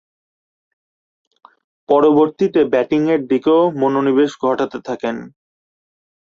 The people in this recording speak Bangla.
পরবর্তীতে ব্যাটিংয়ের দিকেও মনোনিবেশ ঘটাতে থাকেন।